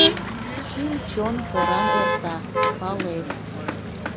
Шÿм-чон поран эрта, палет